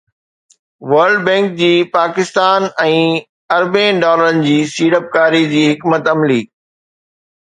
world bank جي پاڪستان ۾ اربين ڊالرن جي سيڙپڪاري جي حڪمت عملي